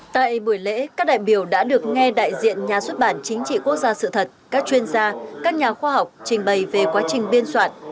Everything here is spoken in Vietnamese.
tại buổi lễ các đại biểu đã được nghe đại diện nhà xuất bản chính trị quốc gia sự thật các chuyên gia các nhà khoa học trình bày về quá trình biên soạn